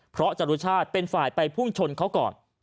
เพราะจรุชาติเป็นฝ่ายไปพุ่งชนเขาก่อน